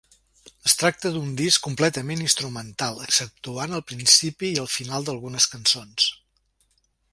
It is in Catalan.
Es tracta d'un disc completament instrumental, exceptuant el principi i el final d'algunes cançons.